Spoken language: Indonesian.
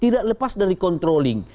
tidak lepas dari kontroling